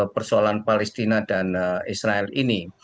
persoalan palestina dan israel ini